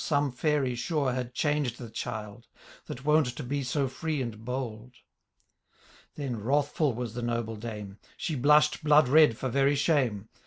Some feiry, sure, had changed the child. That wont to be so free and bold. Then wrathful was the noble dame ; She blush'd blood red for very shame